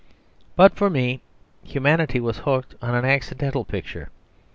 But for me Humanity was hooked on to an accidental picture.